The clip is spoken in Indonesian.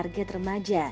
dengan target remaja